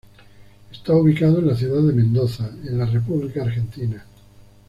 Está ubicado en la Ciudad de Mendoza, en la República Argentina.